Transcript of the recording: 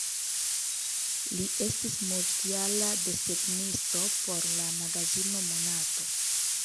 Li estis multjara desegnisto por la magazino Monato.